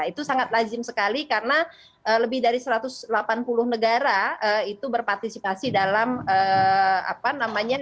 itu sangat lazim sekali karena lebih dari satu ratus delapan puluh negara itu berpartisipasi dalam apa namanya